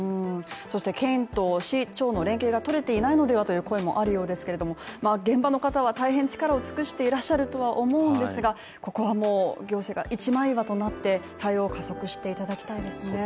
そして県と市、町の連携がとれていないのではという声もあるようですけども現場の方は大変力を尽くしていらっしゃるとは思うんですが、ここは行政が一枚岩となって対応を加速していただきたいですね。